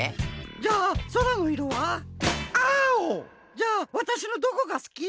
じゃあわたしのどこが好き？